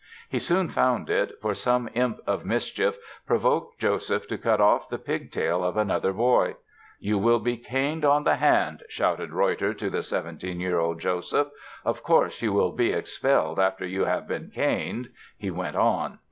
He soon found it, for some imp of mischief provoked Joseph to cut off the pig tail of another boy. "You will be caned on the hand", shouted Reutter to the seventeen year old Joseph; "of course, you will be expelled after you have been caned", he went on.